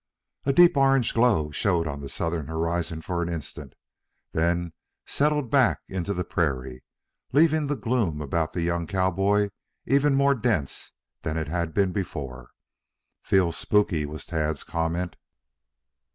A deep orange glow showed on the southern horizon for an instant, then settled back into the prairie, leaving the gloom about the young cowboy even more dense than it had been before. "Feels spooky," was Tad's comment.